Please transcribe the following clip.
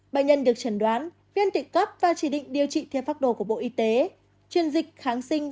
bệnh nhân được chẩn đoán viêm tịnh cấp và chỉ định điều trị theo pháp đồ của bộ y tế chuyên dịch kháng sinh